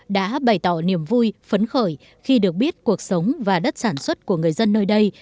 đã bày tỏ niềm vui phấn khởi khi được biết cuộc sống và đất sản xuất của người dân nơi đây